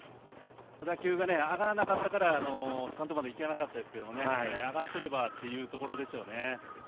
打球が上がらなかったからスタンドまで行きませんでしたが上がっていればというところでしょうね。